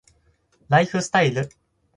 ライフスタイル